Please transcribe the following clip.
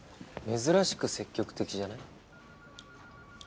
珍しく積極的じゃない？